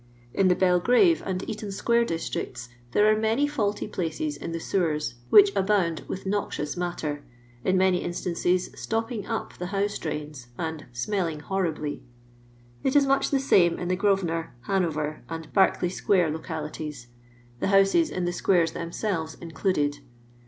In the Belgrave and Eaton sqnare districts l^ere are many &ulty places in the sewers which abound with noxious matter, in many instances stopping up the house drains and " smelling horribly." It is much tlie same in the Grosvenor, Hanover, and Berkeley square localities (the houses in the squares them selves included).